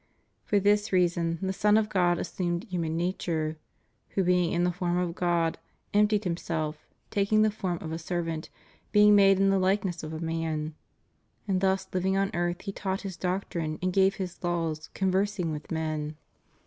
For this reason the Son of God assumed human nature — who being in the form of God ... emptied Him self, taking the form of a servant, being made in the likeness of a man *— and thus living on earth He taught His doc trine and gave His laws, conversing with men.